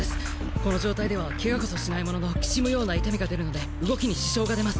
この状態では怪我こそしないものの軋むような痛みが出るので動きに支障が出ます。